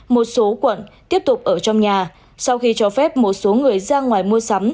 một số quận tiếp tục ở trong nhà sau khi cho phép một số người ra ngoài mua sắm